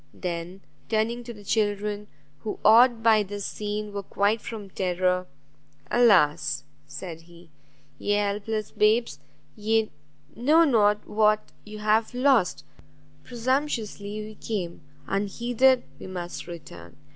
Then, turning to the children, who, awed by this scene, were quiet from terror. "Alas!" he said, "ye helpless babes, ye know not what you have lost: presumptuously we came; unheeded we must return!